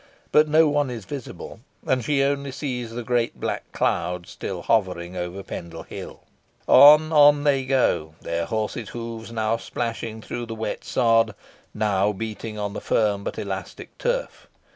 But no one is visible, and she only sees the great black cloud still hovering over Pendle Hill. On on they go; their horses' hoofs now splashing through the wet sod, now beating upon the firm but elastic turf.